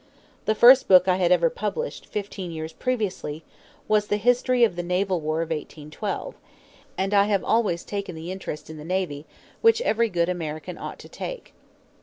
The first book I had ever published, fifteen years previously, was "The History of the Naval War of 1812"; and I have always taken the interest in the navy which every good American ought to take.